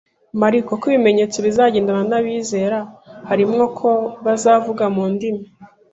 Mariko, ko Ibimenyetso bizagendana n’abizera, harimo ko bazavuga mu ndimi